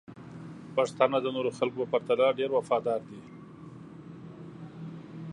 پښتانه د نورو خلکو په پرتله ډیر وفادار دي.